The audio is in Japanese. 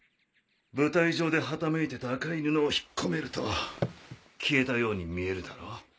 舞台上ではためいてた赤い布を引っ込めると消えたように見えるだろう？